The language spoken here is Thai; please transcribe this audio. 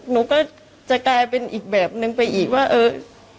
หนูก็จะกลายเป็นอีกแบบนึงไปอีกว่าเออ